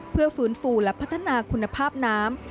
เพื่อฟื้นฟูและพัฒนาคุณภาพน้ำ